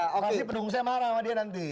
pasti pendukung saya marah sama dia nanti